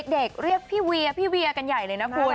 เรียกพี่เวียพี่เวียกันใหญ่เลยนะคุณ